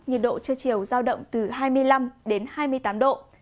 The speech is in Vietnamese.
nhiệt độ trưa chiều giao động từ hai mươi năm đến hai mươi tám độ